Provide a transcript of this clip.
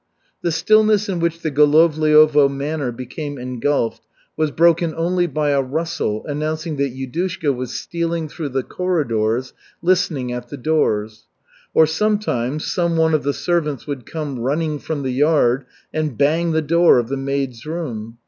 The stillness in which the Golovliovo manor became engulfed was broken only by a rustle announcing that Yudushka was stealing through the corridors, listening at the doors. Or sometimes, some one of the servants would come running from the yard and bang the door of the maids' room.